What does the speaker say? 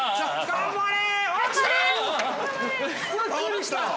頑張れ。